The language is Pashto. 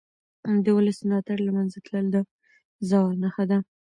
د ولس ملاتړ له منځه تلل د زوال نښه ده